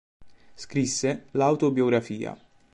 Scrisse l"'Autobiografia".